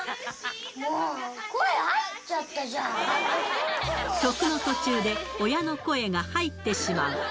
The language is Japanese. もう、曲の途中で、親の声が入ってしまう。